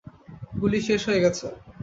গুলি শেষ হয়ে গেছে।